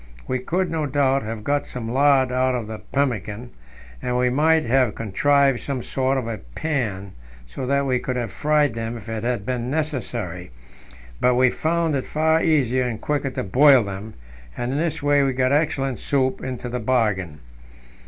We could, no doubt, have got some lard out of the pemmican, and we might have contrived some sort of a pan, so that we could have fried them if it had been necessary; but we found it far easier and quicker to boil them, and in this way we got excellent soup into the bargain.